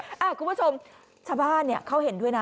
คุณผู้ชมชาวบ้านเขาเห็นด้วยนะ